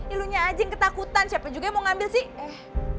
ini lo nya aja yang ketakutan siapa juga yang mau ngambil sih